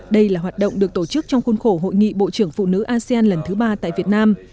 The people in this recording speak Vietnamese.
đây là hoạt động được tổ chức trong khuôn khổ hội nghị bộ trưởng phụ nữ asean lần thứ ba tại việt nam